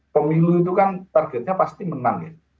pemilu itu kan targetnya pasti menang ya